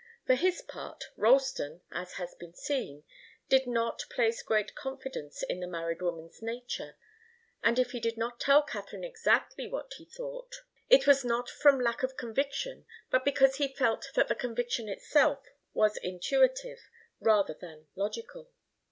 For his part, Ralston, as has been seen, did not place great confidence in the married woman's nature, and if he did not tell Katharine exactly what he thought, it was not from lack of conviction but because he felt that the conviction itself was intuitive rather than logical.